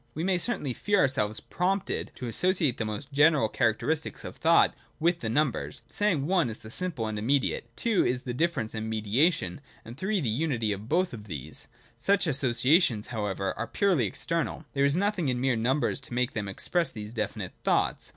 We may certainly feel our selves prompted to associate the most general characteristics of thought with the first numbers : saying, 1 is the simple and immediate ; 2 is difference and mediation ; and 3 the unity of both of these. Such associations however are purely external : there is nothing in the mere numbers to make them express these definite thoughts.